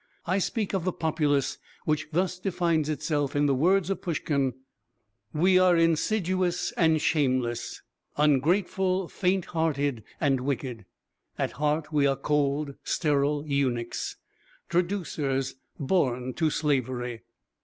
I speak of the populace which thus defines itself in the words of Pushkin: "'We are insidious and shameless, Ungrateful, faint hearted and wicked; At heart we are cold, sterile eunuchs, Traducers, born to slavery.'"